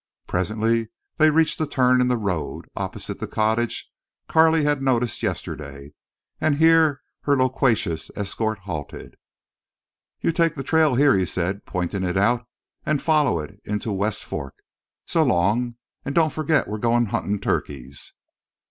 Presently they reached the turn in the road, opposite the cottage Carley had noticed yesterday, and here her loquacious escort halted. "You take the trail heah," he said, pointing it out, "an' foller it into West Fork. So long, an' don't forget we're goin' huntin' turkeys."